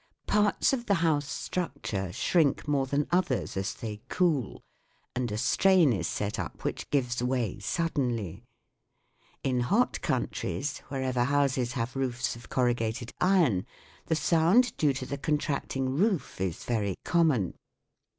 Parts of the house structure shrink more than others as they cool, and a strain is set up which gives way suddenly. In hot countries, wherever houses have roofs of corrugated iron, the sound due to the contracting roof is very common.